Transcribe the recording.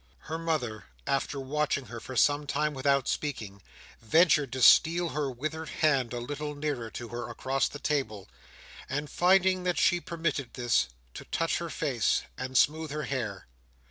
Her mother, after watching her for some time without speaking, ventured to steal her withered hand a little nearer to her across the table; and finding that she permitted this, to touch her face, and smooth her hair.